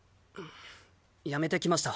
辞めてきました。